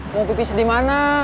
mau pipis di mana